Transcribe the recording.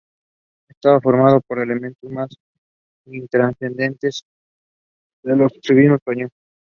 Palomas are also featured on the drink menu.